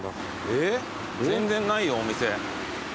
えっ全然ないよお店。